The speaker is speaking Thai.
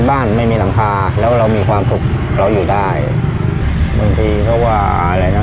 บางทีเขาว่าอะไรนะ